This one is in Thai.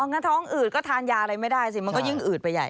งั้นท้องอืดก็ทานยาอะไรไม่ได้สิมันก็ยิ่งอืดไปใหญ่